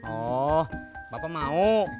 oh bapak mau